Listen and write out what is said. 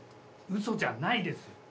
嘘じゃないです。